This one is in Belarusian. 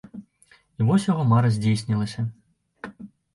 І вось яго мара здзейснілася!